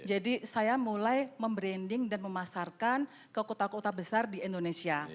jadi saya mulai membranding dan memasarkan ke kota kota besar di indonesia